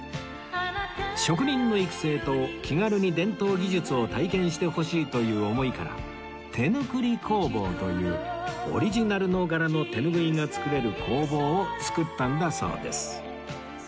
職人の育成と気軽に伝統技術を体験してほしいという思いからてぬクリ工房というオリジナルの柄の手ぬぐいが作れる工房を作ったんだそうです